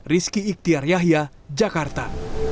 rizky iktiar yahya jakarta